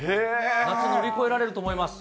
夏、乗り越えられると思います。